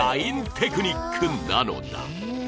テクニックなのだ